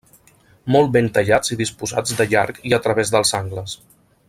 Molt ben tallats i disposats de llarg i a través dels angles.